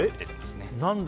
何だ？